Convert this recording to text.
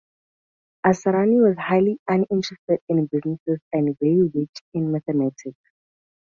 Asrani was highly uninterested in business and very weak in mathematics.